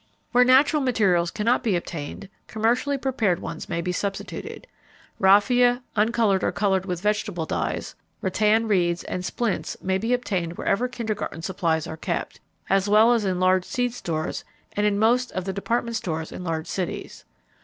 Where natural materials cannot be obtained, commercially prepared ones may be substituted. Raffia, uncolored or colored with vegetable dyes, rattan reeds, and splints may be obtained wherever kindergarten supplies are kept, as well as in large seed stores and in most of the department stores in large cities.